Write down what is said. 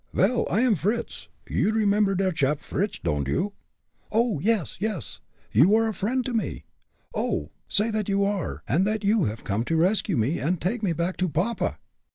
"Vel, I am Fritz! You remember der chap Fritz, don'd you?" "Oh! yes! yes! You are a friend to me oh! say that you are, and that you have come to rescue me and take me back to papa!"